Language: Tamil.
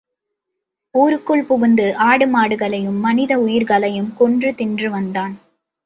ஊருக்குள் புகுந்து, ஆடு மாடுகளையும், மனித உயிர்களையும் கொன்று தின்று வந்தான்.